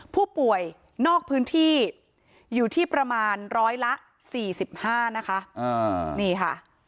ผู้ป่วยนอกพื้นที่อยู่ที่ประมาณร้อยละ๔๕นะคะนี่ค่ะ